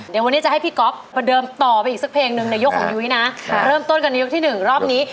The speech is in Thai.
เดี๋ยววันนี้จะให้พี่ก๊อฟประเดิมต่อไปอีกสักเพลงหนึ่งในยกของยุ้ยนะเริ่มต้นกันในยกที่หนึ่งรอบนี้